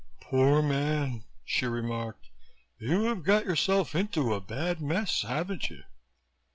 "Poor man!" she remarked. "You have got yourself into a bad mess, haven't you?"